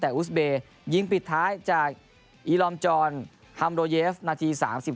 แต่อุสเบย์ยิงปิดท้ายจากอีลอมจรฮัมโดเยฟนาที๓๔